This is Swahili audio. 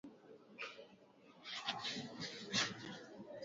Vimelea vya ugonjwa wa ndigana kali